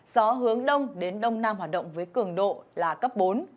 gió hướng đông đến đông nam hoạt động với cường độ là cấp bốn